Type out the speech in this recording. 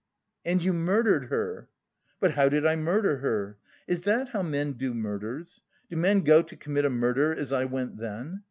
"And you murdered her!" "But how did I murder her? Is that how men do murders? Do men go to commit a murder as I went then?